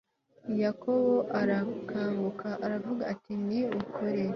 yakobo arakanguka aravuga ati ni ukuri